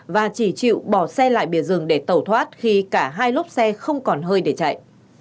và chỉ chịu bỏ xe lại bìa rừng để tẩu thoát khi cả hai lốp xe không còn hơi để chạy